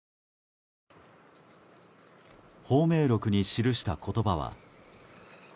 芳名録に記した言葉は。